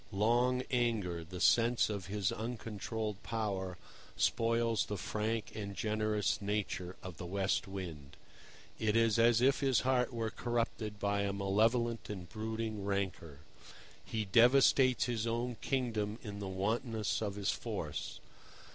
Long anger, the sense of his uncontrolled power, spoils the frank and generous nature of the West Wind. It is as if his heart were corrupted by a malevolent and brooding rancour. He devastates his own kingdom in the wantonness of his force.